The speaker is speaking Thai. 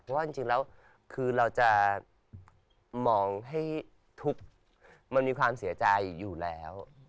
เพราะว่าจริงแล้วคือเราจะมองให้ทุกข์มันมีความเสียใจอยู่แล้ว